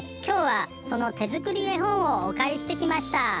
今日はその手作り絵本をお借りしてきました。